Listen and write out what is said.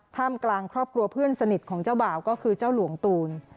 กลางครอบครัวเพื่อนสนิทของเจ้าบ่าวก็คือเจ้าหลวงตูน